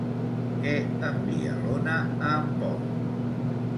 Què envia l'Ona a en Pol?